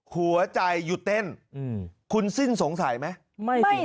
หัวใจหยุดเต้นคุณสิ้นสงสัยไหม